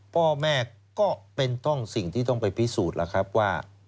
พ่อแม่ก็เป็นต้องสิ่งที่ต้องไปพิสูจน์ล่ะครับว่า